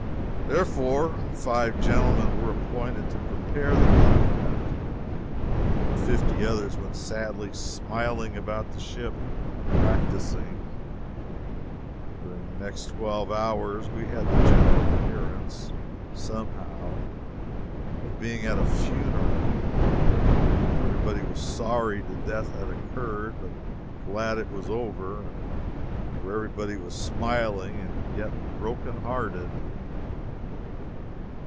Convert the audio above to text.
Therefore, five gentlemen were appointed to prepare the document, and the fifty others went sadly smiling about the ship practicing. During the next twelve hours we had the general appearance, somehow, of being at a funeral, where every body was sorry the death had occurred, but glad it was over where every body was smiling, and yet broken hearted.